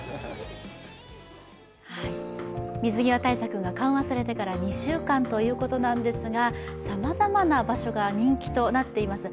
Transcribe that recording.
水際対策が緩和されてから２週間ということなんですがさまざまな場所が人気となっています。